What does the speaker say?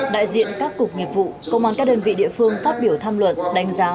đại diện các cục nghiệp vụ công an các đơn vị địa phương phát biểu tham luận đánh giá